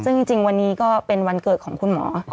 ซึ่งจริงวันนี้ก็เป็นวันเกิดของคุณหมอ